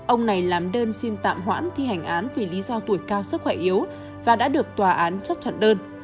ông này làm đơn xin tạm hoãn thi hành án vì lý do tuổi cao sức khỏe yếu và đã được tòa án chấp thuận đơn